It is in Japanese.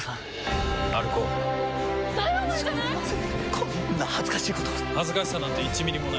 こんな恥ずかしいこと恥ずかしさなんて１ミリもない。